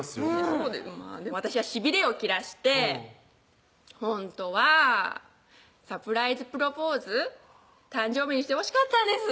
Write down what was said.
そこで私はしびれを切らして「ほんとはサプライズプロポーズ誕生日にしてほしかったんです」